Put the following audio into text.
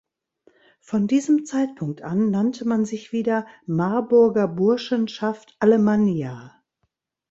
Von diesem Zeitpunkt an nannte man sich wieder „Marburger Burschenschaft Alemannia“.